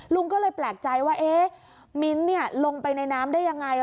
ลุงก็เลยแปลกใจว่ามิ้นท์ลงไปในน้ำได้ยังไง